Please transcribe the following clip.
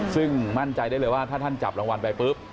ซึ่งมั่นใจได้เลยว่าถ้าท่านจับรางวัลไปปุ๊บ